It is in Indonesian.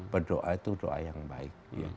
berdoa itu doa yang baik